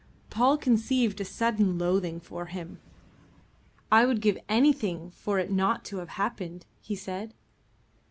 Paul conceived a sudden loathing for him. "I would give anything for it not to have happened," he said.